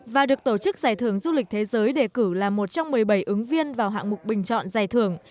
và được tổ chức giải thưởng du lịch thế giới đề cử là một trong một mươi bảy ứng viên vào hạng mục bình chọn giải thưởng